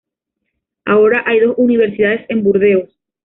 Ahora hay dos universidades en Burdeos.